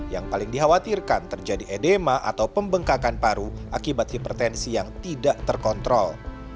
yang paling dikhawatirkan terjadi edema atau pembengkakan paru akibat hipertensi yang tidak terkontrol